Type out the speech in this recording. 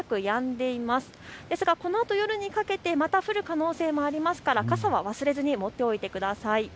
ですが、このあと夜にかけてまた降る可能性もありますから傘は忘れずに持っておいてください。